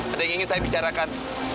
ada yang ingin saya bicarakan